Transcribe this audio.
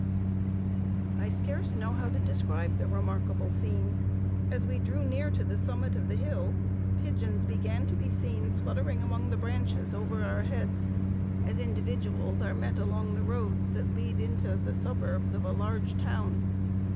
"I scarce know how to describe the remarkable scene. As we drew near to the summit of the hill, pigeons began to be seen fluttering among the branches over our heads, as individuals are met along the roads that lead into the suburbs of a large town.